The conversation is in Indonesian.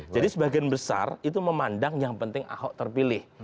jadi sebagian besar itu memandang yang penting ahok terpilih